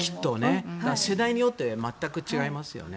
世代によって全く違いますよね。